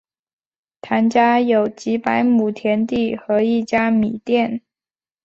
谭家有几百亩田地和一家米店。